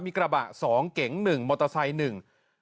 มีกระบะ๒เก๋ง๑มอเตอร์ไซค์๑